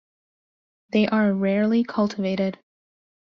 They are rarely cultivated.